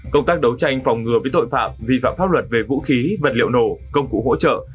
công tác đấu tranh phòng ngừa với tội phạm vi phạm pháp luật về vũ khí vật liệu nổ công cụ hỗ trợ